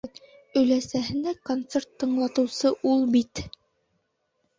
Өләсәһенә концерт тыңлатыусы ул бит!..